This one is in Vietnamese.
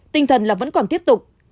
tinh thần là vẫn còn tiếp tục